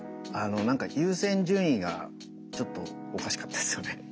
あの何か優先順位がちょっとおかしかったですよね。